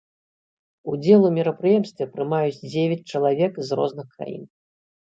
Удзел у мерапрыемстве прымаюць дзевяць чалавек з розных краін.